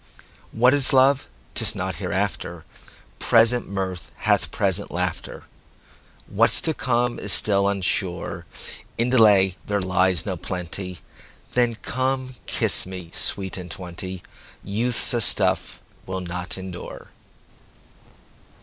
What is love? 'tis not hereafter; Present mirth hath present laughter; What's to come is still unsure:In delay there lies no plenty,—Then come kiss me, Sweet and twenty, Youth's a stuff will not endure.